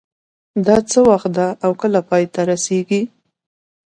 دا څه وخت ده او کله پای ته رسیږي